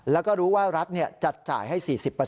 แล้วก็รู้ว่ารัฐจัดจ่ายให้๔๐